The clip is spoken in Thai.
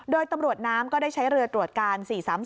โดยตำรวจน้ำก็ได้ใช้เรือตรวจการ๔๓๔